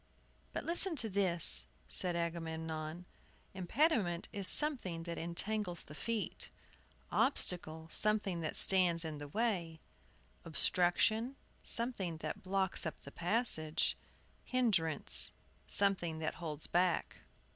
"But listen to this," and Agamemnon continued: "Impediment is something that entangles the feet; obstacle, something that stands in the way; obstruction, something that blocks up the passage; hinderance, something that holds back."